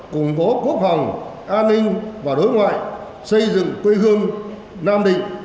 củng cố quốc phòng an ninh và đối ngoại xây dựng quê hương nam định